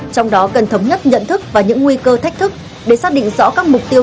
trong đó cần thống nhất nhận thức và những nguy cơ thách thức để xác định rõ các mục tiêu